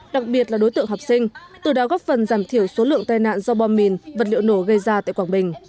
đặc biệt là đối tượng học sinh từ đó góp phần giảm thiểu số lượng tai nạn do bom mìn vật liệu nổ gây ra tại quảng bình